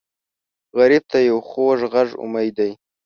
غریب ته یو خوږ غږ امید دی